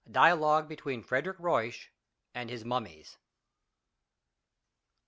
no ) DIALOGUE BETWEEN FREDERIC RUYSCH AND HIS MUMMIES.